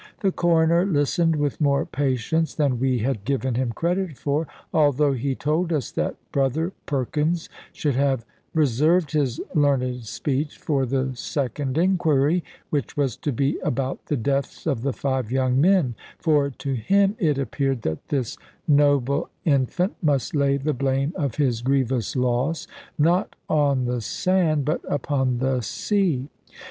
The Coroner listened with more patience than we had given him credit for, although he told us that brother Perkins should have reserved his learned speech for the second inquiry, which was to be about the deaths of the five young men; for to him it appeared that this noble infant must lay the blame of his grievous loss not on the sand but upon the sea.